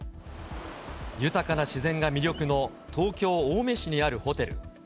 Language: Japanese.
豊かな自然が魅力の東京・青梅市にあるホテル。